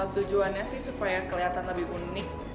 tujuannya sih supaya kelihatan lebih unik